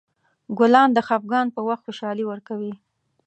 ګلان د خفګان په وخت خوشحالي ورکوي.